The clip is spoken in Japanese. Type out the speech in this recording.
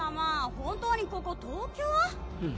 本当にここ東京？んん。